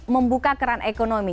membuka keran ekonomi